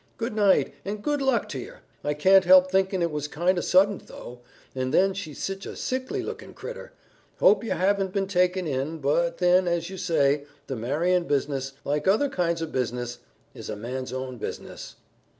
Good night, and good luck ter yer. I can't help thinkin' it was kind o' suddint though, and then she's sich a sickly lookin' critter. Hope yer haven't been taken in, but then, as you say, the marryin' business, like other kinds o' business, is a man's own business."